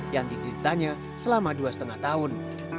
yang ditititanya selama berjalan